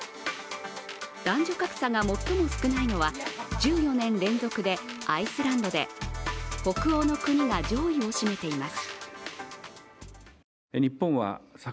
男女格差が最も少ないのは１４年連続でアイスランドで北欧の国が上位を占めています。